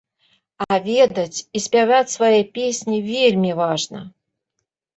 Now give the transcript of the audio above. А ведаць і спяваць свае песні вельмі важна.